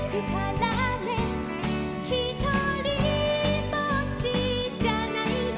「ひとりぼっちじゃないよ」